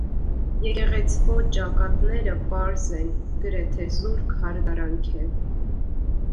Եկեղեցւոյ ճակատները պարզ են, գրեթէ զուրկ յարդարանքէ։